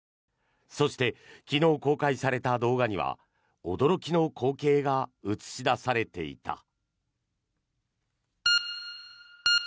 そして、昨日公開された動画には驚きの光景が映し出されていた。